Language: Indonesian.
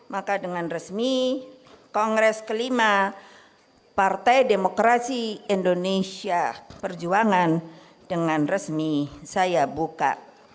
maka dengan resmi kongres kelima partai demokrasi indonesia perjuangan dengan resmi saya buka